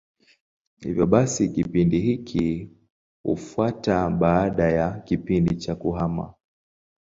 Hivyo basi kipindi hiki hufuata baada ya kipindi cha kuhama.